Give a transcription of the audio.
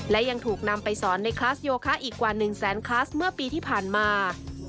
และยังถูกนำไปสอนในคลาสโยคะอีกกว่า๑แสนคลาสเมื่อปีที่ผ่านมา